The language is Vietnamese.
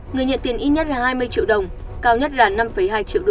người nhận tiền ít nhất là hai mươi triệu đồng cao nhất là năm hai triệu usd